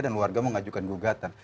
dan warga mengajukan gugatan